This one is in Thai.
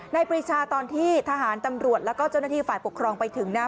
ปรีชาตอนที่ทหารตำรวจแล้วก็เจ้าหน้าที่ฝ่ายปกครองไปถึงนะ